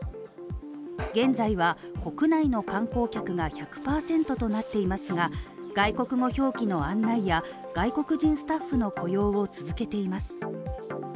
現在は国内の観光客が１００％となっていますが外国語表記の案内や外国人スタッフの雇用を続けています。